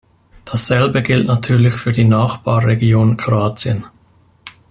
Dasselbe gilt natürlich für die Nachbarregion Kroatien.